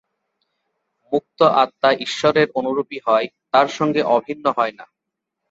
মুক্ত আত্মা ঈশ্বরের অনুরূপই হয়, তাঁর সঙ্গে অভিন্ন হয় না।